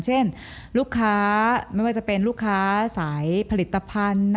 เช่นลูกค้าไม่ว่าจะเป็นลูกค้าสายผลิตภัณฑ์